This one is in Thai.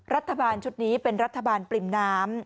รัฐบาลชุดนี้เป็นรัฐบาลปริ่มน้ำ